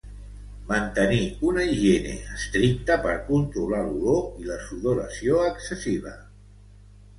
Mantenir una higiene estricta per controlar l'olor i la sudoració excessiva.